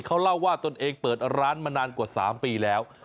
เขาเล่าว่าตนเองเปิดร้านมานานกว่า๓ปีแล้ว